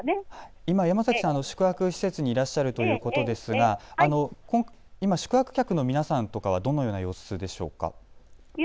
今、山崎さん宿泊施設にいらっしゃるということですが今、宿泊客の皆さんとかはどんな様子でしょうか。